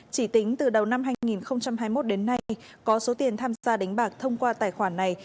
chỉ tính từ đầu năm hai nghìn hai mươi một đến nay có số tiền tham gia đánh bạc thông qua tài khoản này